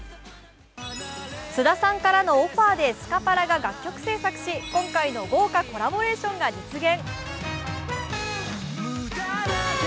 菅田さんからのオファーでスカパラが楽曲制作し今回の豪華コラボレーションが実現。